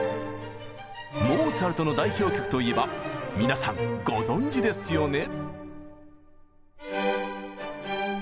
モーツァルトの代表曲といえば皆さんご存じですよね。